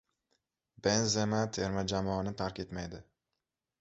Benzema terma jamoani tark etmaydi